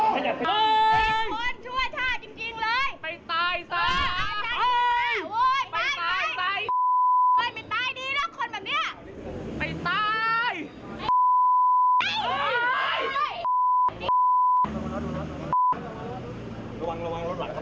เป็นชั่วชาติจริงเลย